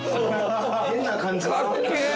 変な感じ。